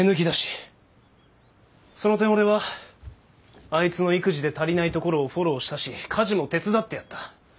その点俺はあいつの育児で足りないところをフォローしたし家事も手伝ってやった。